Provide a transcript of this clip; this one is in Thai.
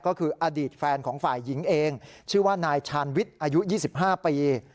ก็คืออดีตแฟนของฝ่ายหญิงเองชื่อว่านายชาญวิทย์อายุ๒๕ปี